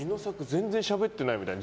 全然しゃべってないみたいな。